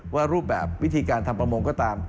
ว่ารูปแบบวิธีการทำประมงก็ตาม